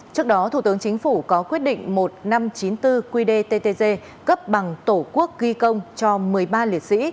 trước đó thủ tướng chính phủ có quyết định một nghìn năm trăm chín mươi bốn qdttg cấp bằng tổ quốc ghi công cho một mươi ba liệt sĩ